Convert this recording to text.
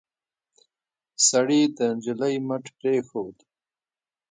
سړي د نجلۍ مټ پرېښود.